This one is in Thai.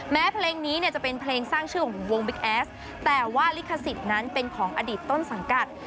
แม้เพลงนี้เนี่ยจะเป็นเพลงสร้างชื่อของวงบิ๊กแอสแต่ว่าลิขสิทธิ์นั้นเป็นของอดีตต้นสังกัด